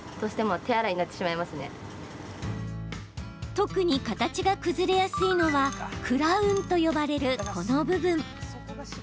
特に形が崩れやすいのはクラウンと呼ばれる、この部分。